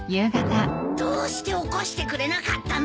どうして起こしてくれなかったんだよ！